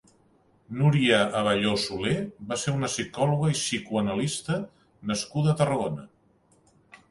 Núria Abelló Soler va ser una psicòloga i psicoanalista nascuda a Tarragona.